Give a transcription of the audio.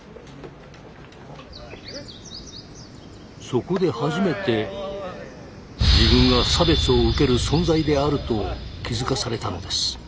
そこで初めて自分が差別を受ける存在であると気づかされたのです。